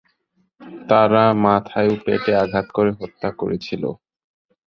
তারা মাথায় ও পেটে আঘাত করে হত্যা করেছিল।